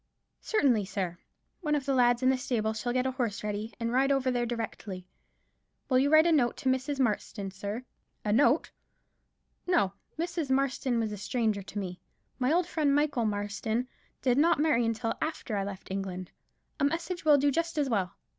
"Certainly, sir. One of the lads in the stable shall get a horse ready, and ride over there directly. Will you write a note to Mrs. Marston, sir?" "A note? No. Mrs. Marston is a stranger to me. My old friend Michael Marston did not marry until after I left England. A message will do just as well.